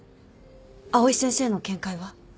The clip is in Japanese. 藍井先生の見解は？